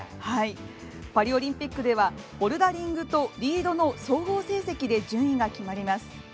パリオリンピックではボルダリングとリードの総合成績で順位が決まります。